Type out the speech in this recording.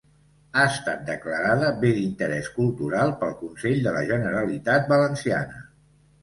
Ha estat declarada Bé d'Interés Cultural pel Consell de la Generalitat Valenciana.